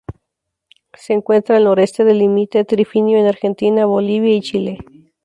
Se encuentra al noreste del límite trifinio entre Argentina, Bolivia y Chile.